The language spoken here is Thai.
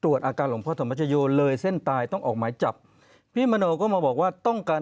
อาการหลวงพ่อธรรมชโยเลยเส้นตายต้องออกหมายจับพี่มโนก็มาบอกว่าต้องการ